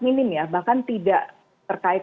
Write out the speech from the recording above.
minim ya bahkan tidak terkait